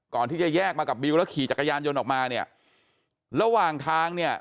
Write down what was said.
ก่อนที่จะแยกมากับบิวแล้วขี่จักรยานยนต์ออกมาเนี่ยระหว่างทางเนี่ย